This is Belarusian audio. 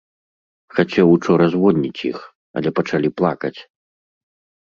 Хацеў учора звольніць іх, але пачалі плакаць.